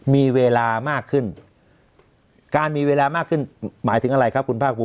มีเวลามากขึ้นการมีเวลามากขึ้นหมายถึงอะไรครับคุณภาคภูมิ